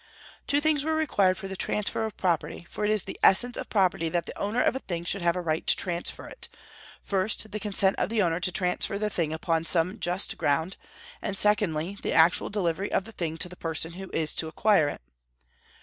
Two things were required for the transfer of property, for it is the essence of property that the owner of a thing should have the right to transfer it, first, the consent of the owner to transfer the thing upon some just ground; and secondly, the actual delivery of the thing to the person who is to acquire it.